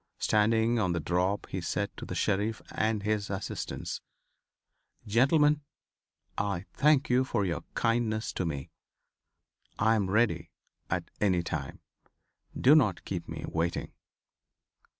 Standing on the drop he said to the sheriff and his assistants: "Gentlemen! I thank you for your kindness to me. I am ready at any time. Do not keep me waiting."